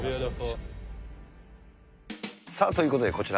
さあ、ということでこちら、